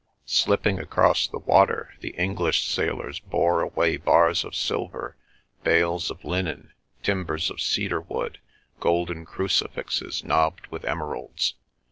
Slipping across the water, the English sailors bore away bars of silver, bales of linen, timbers of cedar wood, golden crucifixes knobbed with emeralds.